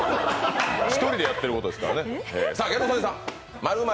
一人でやってることですからね。